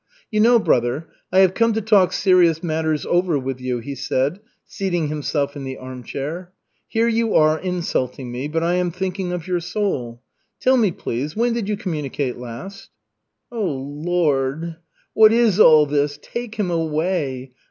"You know, brother, I have come to talk serious matters over with you," he said, seating himself in the armchair. "Here you are insulting me, but I am thinking of your soul. Tell me, please, when did you communicate last?" "Oh, Lord! What is all this? Take him away!